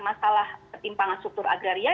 masalah ketimpangan struktur agraria